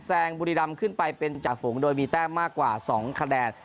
งบุรีรำขึ้นไปเป็นจากฝูงโดยมีแต้มมากกว่า๒คะแนน